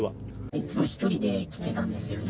いつも１人で来てたんですよね。